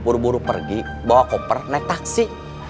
buru buru pergi bawa koper naik taksi